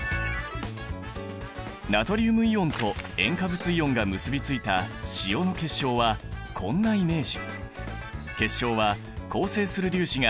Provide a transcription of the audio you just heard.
ナトリウムイオンと塩化物イオンが結びついた塩の結晶はこんなイメージ。